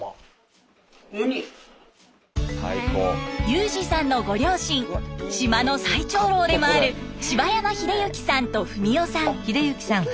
優兒さんのご両親島の最長老でもある柴山英行さんと文代さん。